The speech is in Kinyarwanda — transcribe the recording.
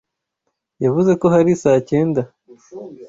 Yavuze ko hari saa cyenda.